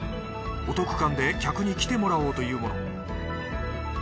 お得感で客に来てもらおうというもの。